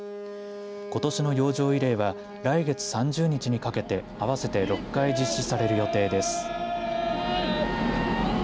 ことしの洋上慰霊は来月３０日にかけて合わせて６回実施される予定です。